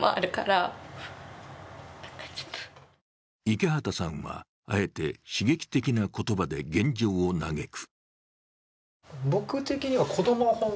池畑さんはあえて刺激的な言葉で現状を嘆く。